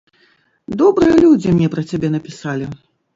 Добрыя людзі мне пра цябе напісалі.